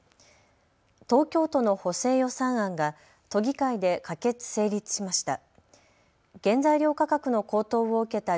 東京都の補正予算案が都議会で可決・成立しました。